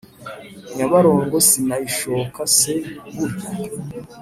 Nyabarongo sinayishoka se burya